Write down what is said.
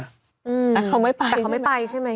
แต่เขาไม่ไปใช่ไหม